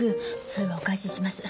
それはお返しします。